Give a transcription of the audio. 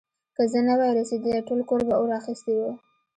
که زه نه وای رسېدلی، ټول کور به اور اخيستی و.